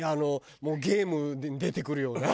もうゲームに出てくるような。